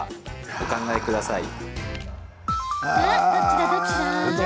お考えください。